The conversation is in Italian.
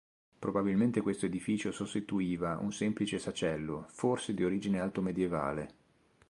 Probabilmente questo edificio sostituiva un semplice sacello, forse di origine altomedievale.